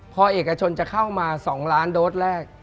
พอเอกชนจะเข้ามา๒ล้านโดสแรก